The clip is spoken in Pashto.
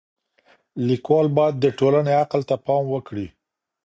ليکوال بايد د ټولني عقل ته پام وکړي.